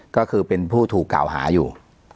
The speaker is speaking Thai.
ก็คือเป็นผู้ถูกกล่าวหาอยู่